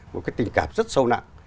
một cái tình cảm rất sâu nặng